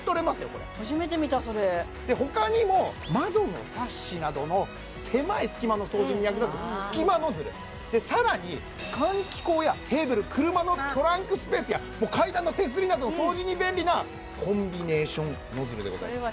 これ初めて見たそれで他にも窓のサッシなどの狭い隙間の掃除に役立つ隙間ノズル更に換気口やテーブル車のトランクスペースや階段の手すりなどの掃除に便利なコンビネーションノズルでございます